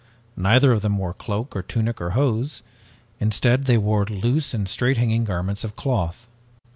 Neither of them wore cloak or tunic or hose. Instead they wore loose and straight hanging garments of cloth.